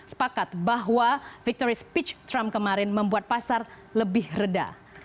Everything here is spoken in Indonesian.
sepakat bahwa victory speech trump kemarin membuat pasar lebih reda